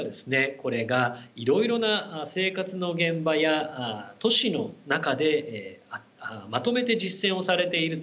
これがいろいろな生活の現場や都市の中でまとめて実践をされていると。